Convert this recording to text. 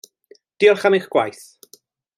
Diolch am eich gwaith.